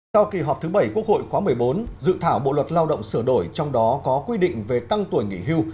sau kỳ họp thứ bảy quốc hội khóa một mươi bốn dự thảo bộ luật lao động sửa đổi trong đó có quy định về tăng tuổi nghỉ hưu